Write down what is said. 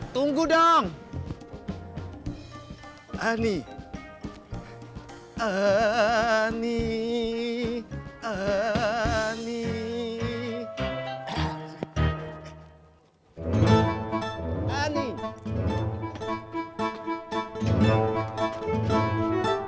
sekarang kamu mehini pemenangnya oleh tati